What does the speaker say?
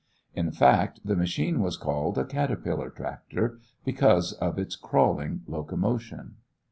In fact, the machine was called a "caterpillar" tractor because of its crawling locomotion.